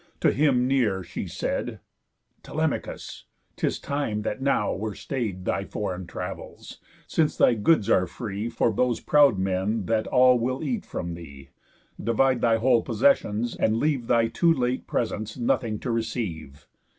To him, near, she said: "Telemachus! 'Tis time that now were stay'd Thy foreign travels, since thy goods are free For those proud men that all will eat from thee, Divide thy whole possessións, and leave Thy too late presence nothing to receive.